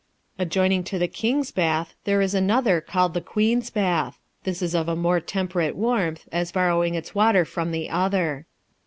Adjoining to the King's Bath, there is another called the Queen's Bath ; this is of a more temperate warmth, as borrowing its water from the other.